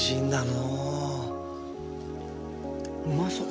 うまそう。